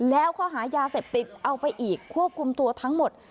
แล้วข้อหายาเสพติดเอาไปอีกควบคุมตัวทั้งหมด